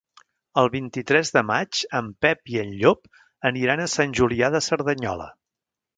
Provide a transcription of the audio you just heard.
El vint-i-tres de maig en Pep i en Llop aniran a Sant Julià de Cerdanyola.